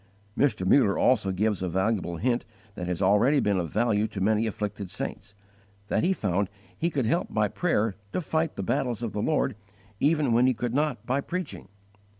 "_ Mr. Muller also gives a valuable hint that has already been of value to many afflicted saints, that he found he could help by prayer to fight the battles of the Lord even when he could not by preaching.